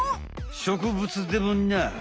植物でもない。